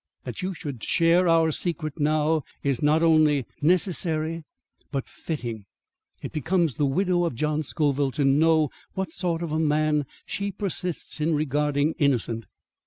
That you should share our secret now, is not only necessary but fitting. It becomes the widow of John Scoville to know what sort of a man she persists in regarding innocent.